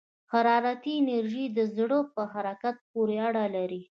حرارتي انرژي د ذرّو په حرکت پورې اړه لري.